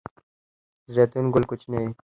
د زیتون ګل کوچنی وي؟